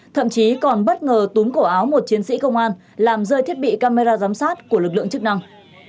thậm chí còn bất ngờ túm cổ áo một chiến sĩ công an làm rơi thiết bị camera giám sát của lực lượng chức năng